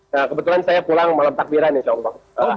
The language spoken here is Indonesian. nah kebetulan saya pulang malam takbiran insya allah